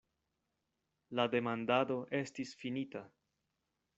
La demandado estis finita.